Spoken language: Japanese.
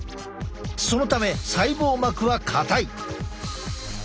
そのため細胞膜は硬い。